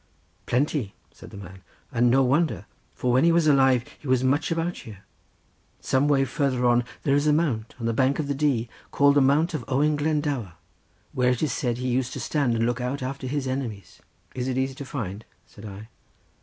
"Plenty," said the man, "and no wonder, for when he was alive he was much about here—some way farther on there is a mount, on the bank of the Dee, called the mount of Owen Glendower, where it is said he used to stand and look out after his enemies." "Is it easy to find?" said I.